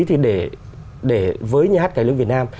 thì để với nhà hát cái lương việt nam